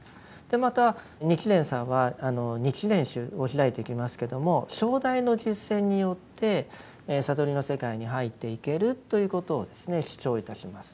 また日蓮さんは日蓮宗を開いていきますけれども唱題の実践によって悟りの世界に入っていけるということを主張いたします。